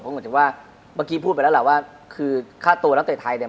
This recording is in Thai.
เพราะหมดจากว่าเมื่อกี้พูดไปแล้วแหละว่าคือค่าโตนักศึกษาไทย